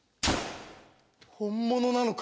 本物なのか？